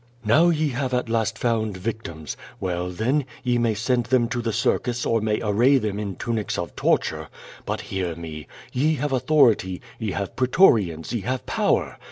"Now ye have at la&t found victims! Well, then, ye may send them to the circus or may array them in tunics of tor ture. But hear me. Ye have authority, ye have pretorians, ye have power.